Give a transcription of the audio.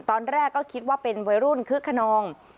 ตอนแรกก็คิดว่าเป็นวัยรุ่นคึกขนอง